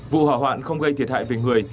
vụ hỏa hoạn không gây thiệt hại về người